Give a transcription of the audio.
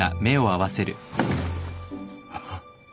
あっ。